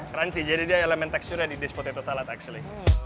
crunchy jadi dia elemen teksturnya di despot itu salad actually